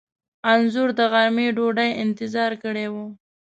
انځور د غرمې ډوډۍ انتظام کړی و.